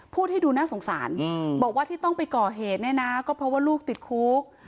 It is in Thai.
พูดให้ดูน่าสงสารบอกว่าที่ต้องไปก่อเหตุเนี่ยนะก็เพราะว่าลูกติดคุก